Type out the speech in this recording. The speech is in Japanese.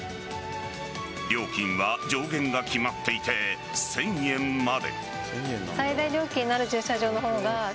料金は上限が決まっていて１０００円まで。